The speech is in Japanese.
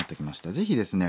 ぜひですね